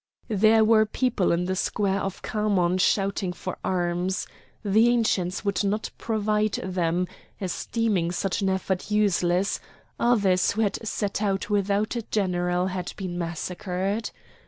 There were people in the square of Khamon shouting for arms. The Ancients would not provide them, esteeming such an effort useless; others who had set out without a general had been massacred.